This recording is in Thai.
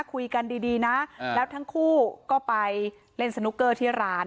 คุยกันดีนะแล้วทั้งคู่ก็ไปเล่นสนุกเกอร์ที่ร้าน